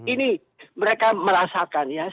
ini mereka merasakan ya